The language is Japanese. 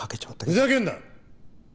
ふざけんな！